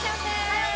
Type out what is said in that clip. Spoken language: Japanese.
はい！